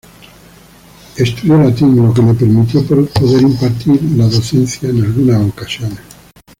Estudió latín, lo que le permitió poder impartir la docencia en algunos ocasiones.